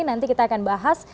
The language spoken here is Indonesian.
nanti kita akan bahas